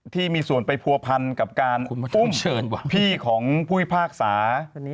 ที่มีส่วนไปผัวพันกับการเชิญพี่ของผู้พิพากษา